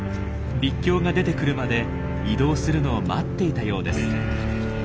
陸橋が出てくるまで移動するのを待っていたようです。